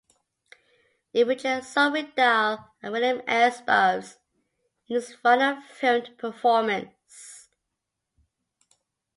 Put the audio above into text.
It features Sophie Dahl and William S. Burroughs in his final filmed performance.